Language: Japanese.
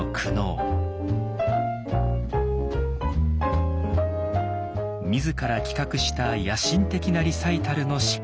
自ら企画した野心的なリサイタルの失敗。